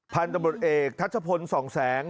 พันธบทเอกทัชพลส่องแสง